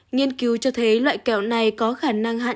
nghiên cứu cho thấy loại kẹo này có thể làm tăng khả năng lây lan